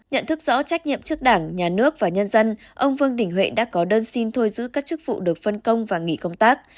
nhận thức rõ trách nhiệm trước đảng nhà nước và nhân dân ông vương đình huệ đã có đơn xin thôi giữ các chức vụ được phân công và nghỉ công tác